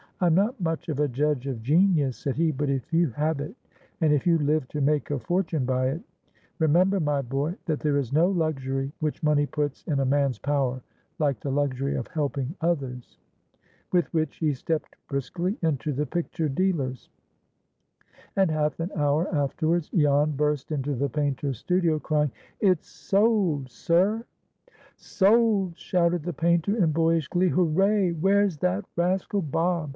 "I am not much of a judge of genius," said he, "but if you have it, and if you live to make a fortune by it, remember, my boy, that there is no luxury which money puts in a man's power like the luxury of helping others." With which he stepped briskly into the picture dealer's. And half an hour afterwards Jan burst into the painter's studio, crying, "It's sold, sir!" "Sold!" shouted the painter, in boyish glee. "Hooray! Where's that rascal Bob?